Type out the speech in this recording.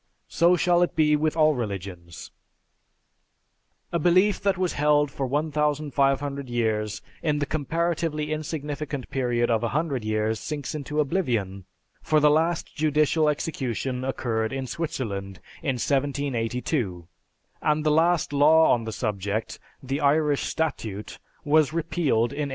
So shall it be with all religions. A belief that was held for 1500 years, in the comparatively insignificant period of 100 years, sinks into oblivion; for the last judicial execution occurred in Switzerland in 1782; and the last law on the subject, the Irish Statute, was repealed in 1821.